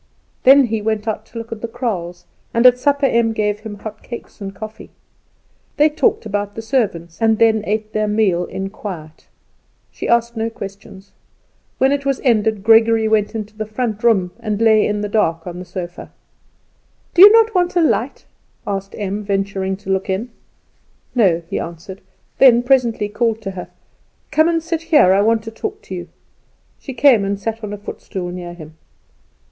Then he went out to look at the kraals, and at supper Em gave him hot cakes and coffee. They talked about the servants, and then ate their meal in quiet. She asked no questions. When it was ended Gregory went into the front room, and lay in the dark on the sofa. "Do you not want a light?" Em asked, venturing to look in. "No," he answered; then presently called to her, "Come and sit here; I want to talk to you." She came and sat on a footstool near him.